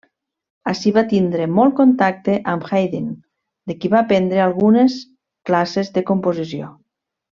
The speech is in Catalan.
Ací va tindre molt contacte amb Haydn, de qui va prendre algunes classes de composició.